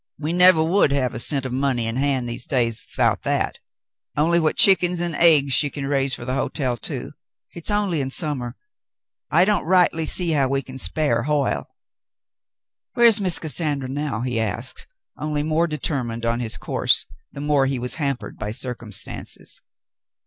We nevah would have a cent o' money in hand these days 'thout that, only what chick'ns 'nd aigs she can raise fer the hotel, too. Hit's only in summah. I don't rightly see how we can spare Hoyle." "\Miere's Miss Cassandra now?" he asked, onlv more determined on his course the more he was hampered by circumstances.